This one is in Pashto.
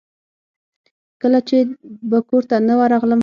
کله چې به کورته نه ورغلم.